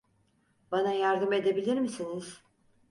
Bana yardım edebilir misiniz?